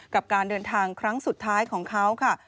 กับการเดินทางครั้งสุดท้ายของเขาค่ะ